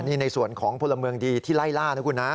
นี่ในส่วนของพลเมืองดีที่ไล่ล่านะคุณนะ